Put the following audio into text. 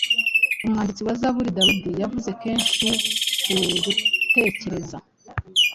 Umwamditsi wa Zaburi Dawidi yavuze kenshi ku gutekereza